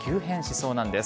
そうなんです。